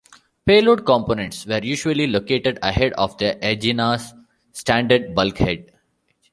Payload components were usually located ahead of the Agena's standard bulkhead.